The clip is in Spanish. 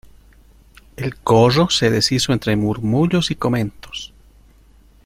el corro se deshizo entre murmullos y comentos: